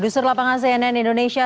sama sama cnn indonesia